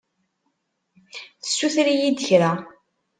Tessuter-iyi-d kra.